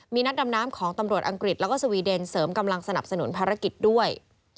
มีนักดำน้ำของตำรวจอังกฤษแล้วก็สวีเดนเสริมกำลังสนับสนุนภารกิจด้วย